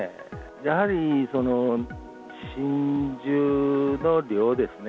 やはり、真珠の量ですね。